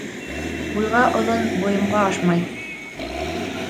Буйға оҙон бойомға ашмай.